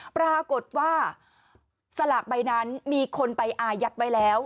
ปรากฏว่าสลากใบนั้นมีคนไปอายัดไว้แล้ว